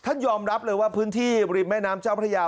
ยอมรับเลยว่าพื้นที่ริมแม่น้ำเจ้าพระยา